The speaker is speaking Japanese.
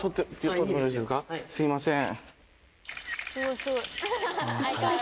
すいません。